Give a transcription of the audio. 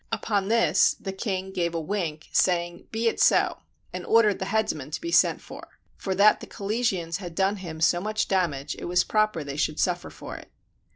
Upon this, the king gave a wink, saying, "Be it so," and ordered the headsman to be sent for; for that the Calesians had done him so much damage, it was proper they should suffer for it.